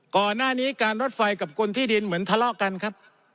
ก่อนหน้านี้การรถไฟกับกลที่ดินเหมือนทะเลาะกันครับ